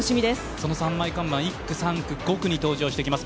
その三枚看板、１区、３区、５区に登場してきます。